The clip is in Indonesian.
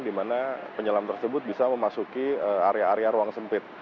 dimana penyelam tersebut bisa memasuki area area ruang sempit